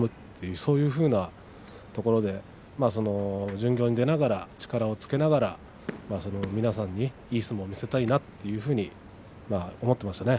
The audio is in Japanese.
そういうふうなところでやはり巡業に出ながら力をつけながら皆さんにいい相撲を見せたいなというふうに思っていましたね。